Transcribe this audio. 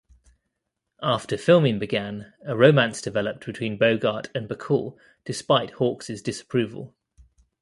After filming began, a romance developed between Bogart and Bacall, despite Hawks' disapproval.